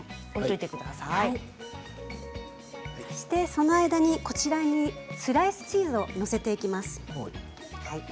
その間にスライスチーズを載せていきます。